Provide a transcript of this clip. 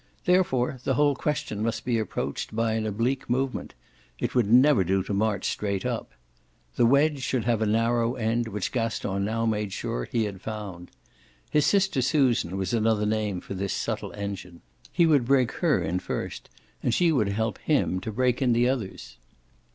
Therefore the whole question must be approached by an oblique movement it would never do to march straight up. The wedge should have a narrow end, which Gaston now made sure he had found. His sister Susan was another name for this subtle engine; he would break her in first and she would help him to break in the others.